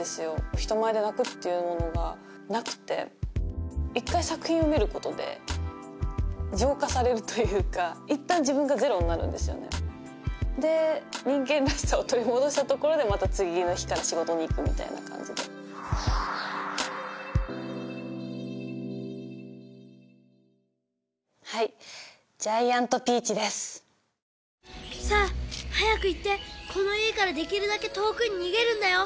人前で泣くっていうものがなくて一回作品を見ることで浄化されるというか一旦自分がゼロになるんですよねで人間らしさを取り戻したところでまた次の日から仕事に行くみたいな感じではい「ジャイアント・ピーチ」ですさあ早く行ってこの家からできるだけ遠くに逃げるんだよ